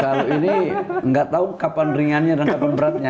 kalau ini nggak tahu kapan ringannya dan kapan beratnya